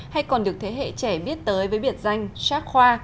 hay còn được thế hệ trẻ biết tới với biệt danh sát khoa